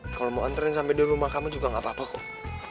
kalau mau antren sampai di rumah kamu juga gak apa apa kok